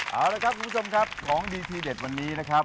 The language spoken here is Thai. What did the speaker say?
เอาละครับคุณผู้ชมครับของดีทีเด็ดวันนี้นะครับ